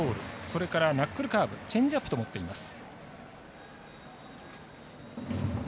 それからナックルカーブチェンジアップと持っています。